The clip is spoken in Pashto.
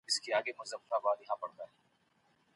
کیسې اړیکې جوړوي.